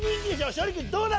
勝利君どうだろう？